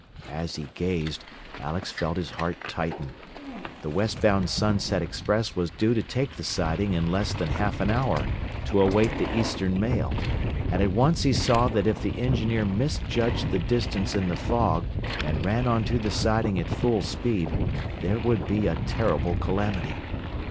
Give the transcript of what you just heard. As he gazed Alex felt his heart tighten. The westbound Sunset Express was due to take the siding in less than half an hour, to await the Eastern Mail, and at once he saw that if the engineer misjudged the distance in the fog, and ran onto the siding at full speed, there would be a terrible calamity.